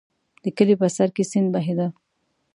د کلي په سر کې سیند بهېده.